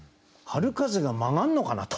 「春風が曲がんのかな？」と。